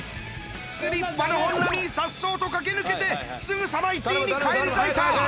スリッパの本並颯爽と駆け抜けてすぐさま１位に返り咲いた。